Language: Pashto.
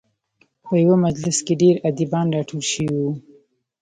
په یوه مجلس کې ډېر ادیبان راټول شوي وو.